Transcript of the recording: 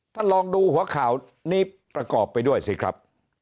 ท่านลองดูหัวข่าวนี้ประกอบไปด้วยสิครับ